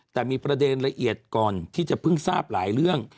แต่มีประเด็นละเอียดก่อนที่จะเพิ่งทราบหลายเรื่อง